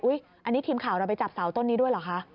อันนี้ทีมข่าวเราไปจับเสาต้นนี้ด้วยเหรอคะ